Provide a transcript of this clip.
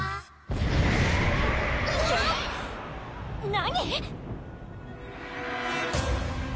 何？